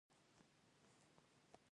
رښتینی سوداګر د خدای له ویرې کار کوي.